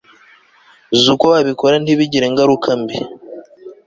z'uko babikora ntibigire ingaruka mbi